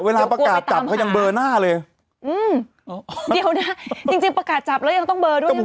เวลาประกาศจับเขายังเบอร์หน้าเลยอืมเดี๋ยวนะจริงจริงประกาศจับแล้วยังต้องเบอร์ด้วยนะคะ